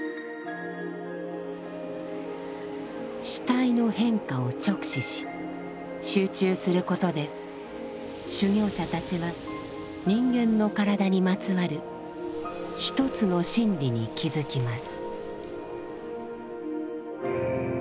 死体の変化を直視し集中することで修行者たちは人間の体にまつわる一つの真理に気づきます。